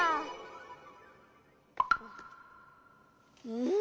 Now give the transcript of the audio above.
うん？